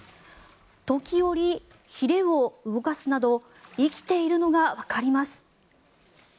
時折ひれを動かすなど生きているのがわかります。